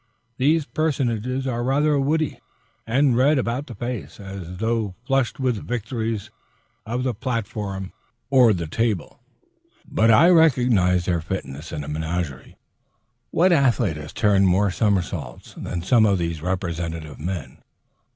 These personages are rather woodeny and red about the face, as though flushed with victories of the platform or the table, but I recognize their fitness in a menagerie. What athlete has turned more somersaults than some of these representative men?